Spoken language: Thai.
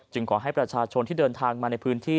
ขอให้ประชาชนที่เดินทางมาในพื้นที่